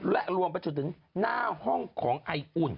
และรวมไปจนถึงหน้าห้องของไออุ่น